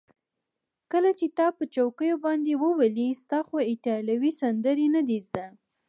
کله چې تا په چوکیو باندې وولي، ستا خو ایټالوي سندرې نه دي زده.